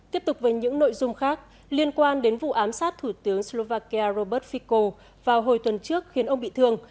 tiếp tục với những nội dung khác liên quan đến vụ ám sát thủ tướng slovakia robert fico vào hồi tuần trước khiến ông bị thương